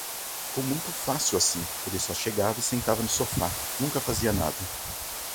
Ficou muito fácil assim, ele só chegava e sentava no sofá, nunca fazia nada.